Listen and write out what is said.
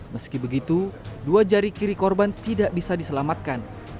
meski begitu dua jari kiri korban tidak bisa diselamatkan